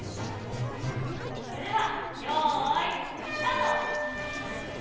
それではよーいスタート。